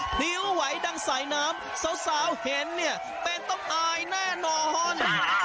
พริ้วไหวดังสายน้ำสาวเห็นเนี่ยเป็นต้องอายแน่นอน